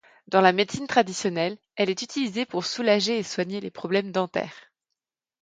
Dans la médecine traditionnelle elle est utilisée pour soulager et soigner les problèmes dentaires.